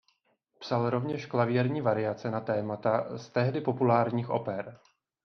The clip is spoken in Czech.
Psal rovněž klavírní variace na témata z tehdy populárních oper.